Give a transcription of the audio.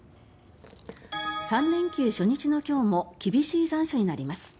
３連休初日の今日も厳しい残暑になります。